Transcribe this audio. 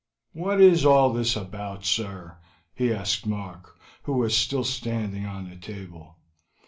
"What is all this about, sir?" he asked Mark, who was still standing on the table.